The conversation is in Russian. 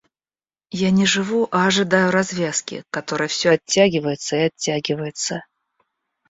Я не живу, а ожидаю развязки, которая все оттягивается и оттягивается.